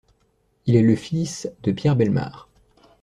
Il est le fils de Pierre Bellemare.